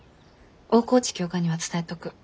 大河内教官には伝えとく。